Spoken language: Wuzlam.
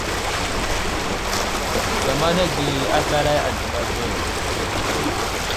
Zamana gəli aslaray a dəɓa ve.